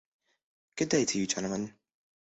Good day to you, gentlemen.